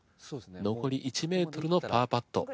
残り１メートルのパーパット。